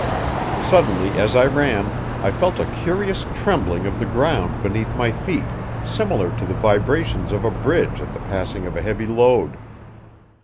Suddenly, as I ran, I felt a curious trembling of the ground beneath my feet, similar to the vibrations of a bridge at the passing of a heavy load.